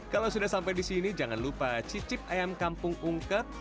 kalau sudah sampai di sini jangan lupa cicip ayam kampung ungkep